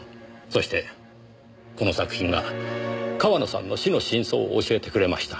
そしてこの作品が川野さんの死の真相を教えてくれました。